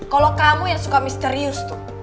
kalau kamu yang suka misterius